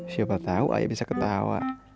siapa tahu ayah bisa ketawa